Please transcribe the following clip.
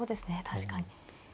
確かに。